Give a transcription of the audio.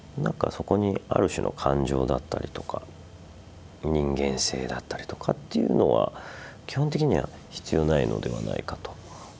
そこにある種の感情だったりとか人間性だったりとかっていうのは基本的には必要ないのではないかと。